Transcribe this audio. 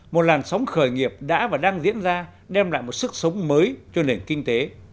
một làn sóng khởi nghiệp đã và đang diễn ra đem lại một sức sống mới cho nền kinh tế